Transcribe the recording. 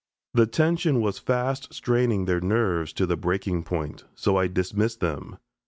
The tension was fast straining their nerves to the breaking point, so I dismissed them.